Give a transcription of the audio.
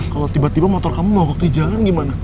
kalo tiba tiba motor kamu ngokok di jalan gimana